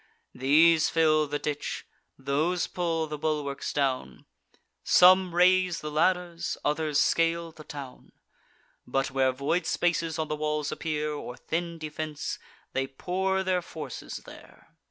These fill the ditch; those pull the bulwarks down: Some raise the ladders; others scale the town. But, where void spaces on the walls appear, Or thin defence, they pour their forces there.